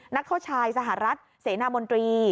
นักเข้าชายสหรัฐเสนามนตรี